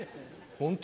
ホント？